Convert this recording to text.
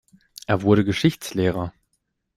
Er wurde Geschichtslehrer.